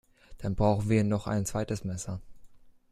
Dann brauchen wir noch ein zweites Messer